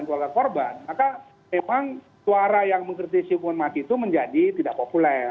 keluarga korban maka memang suara yang mengkritisi hukuman mati itu menjadi tidak populer